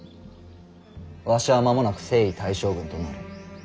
わしは間もなく征夷大将軍となる。